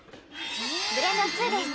ブレンド２です。